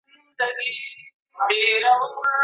جنون مو مبارک سه زولنې دي چي راځي